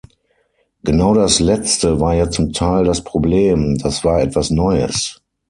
Genau das letzte war ja zum Teil das Problem, das war etwas Neues.